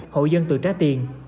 hộ dân từ trá tiền